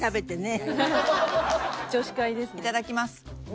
いただきます。